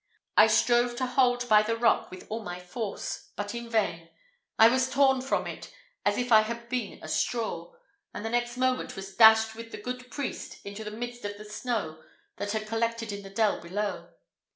I strove to hold by the rock with all my force, but in vain. I was torn from it as if I had been a straw, and the next moment was dashed with the good priest into the midst of the snow that had collected in the dell below.